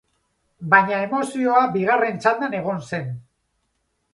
Baina emozioa bigarren txandan egon zen.